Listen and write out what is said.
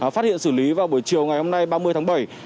phát hiện xử lý vào buổi chiều ngày hôm nay ba mươi tháng bảy